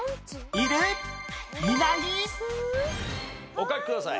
お書きください。